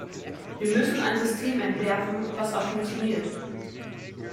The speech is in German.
Wir müssen ein System entwerfen, das auch funktioniert.